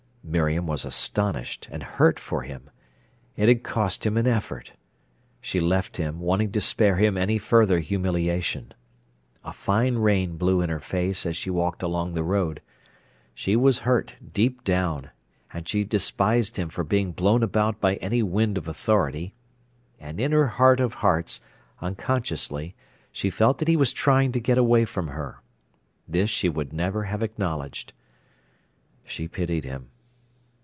Miriam was astonished and hurt for him. It had cost him an effort. She left him, wanting to spare him any further humiliation. A fine rain blew in her face as she walked along the road. She was hurt deep down; and she despised him for being blown about by any wind of authority. And in her heart of hearts, unconsciously, she felt that he was trying to get away from her. This she would never have acknowledged. She pitied him.